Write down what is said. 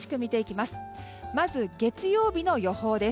まず月曜日の予報です。